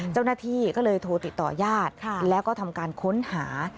เจ้าหน้าที่ก็เลยโทรติดต่อญาติแล้วก็ทำการค้นหา